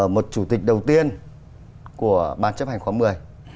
một chủ tịch đầu tiên của ban chấp hành khóa một mươi